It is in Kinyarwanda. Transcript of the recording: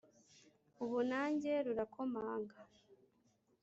ubu nange rurakomanga